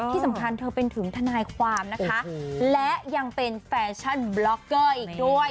ที่สำคัญเธอเป็นถึงทนายความนะคะและยังเป็นแฟชั่นบล็อกเกอร์อีกด้วย